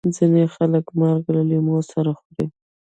ځینې خلک مالګه له لیمو سره خوري.